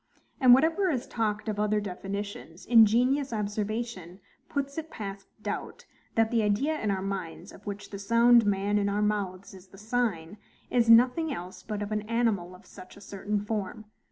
And whatever is talked of other definitions, ingenious observation puts it past doubt, that the idea in our minds, of which the sound man in our mouths is the sign, is nothing else but of an animal of such a certain form.